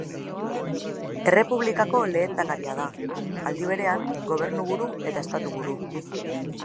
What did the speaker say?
Errepublikako lehendakaria da, aldi berean, gobernuburu eta estatuburu.